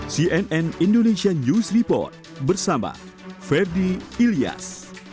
cnn indonesian news report bersama ferdy ilyas